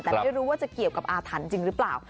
แต่ไม่รู้ว่าจะเกี่ยวกับอาถรรพ์จริงหรือเปล่า